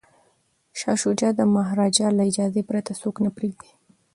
شاه شجاع د مهاراجا له اجازې پرته څوک نه پریږدي.